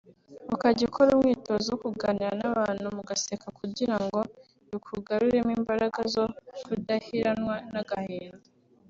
ukajya ukora umwitozo wo kuganira n’abantu mugaseka kugirango bikugaruremo imbaraga zo kudaheranwa n’agahinda